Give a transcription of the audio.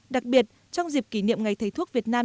đặc biệt trong dịp kỷ niệm ngày thầy thuốc việt nam